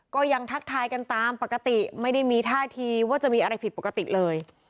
ก็ยังทักทายกันตามปกติไม่ได้มีท่าทีว่าจะมีอะไรผิดปกติเลย